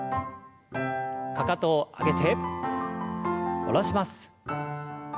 かかとを上げて下ろします。